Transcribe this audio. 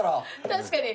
確かに。